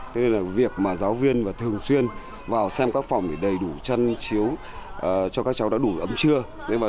thế nên việc giáo viên thường xuyên vào xem các phòng để đầy đủ chăn chiếu cho các trẻ học sinh đã đủ ấm trưa